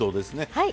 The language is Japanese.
はい。